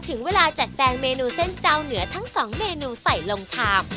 ถึงเวลาจัดแจงเมนูเส้นเจ้าเหนือทั้งสองเมนูใส่ลงชาม